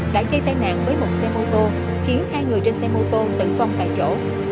đã gây tai nạn với một xe mô tô khiến hai người trên xe mô tô tử vong tại chỗ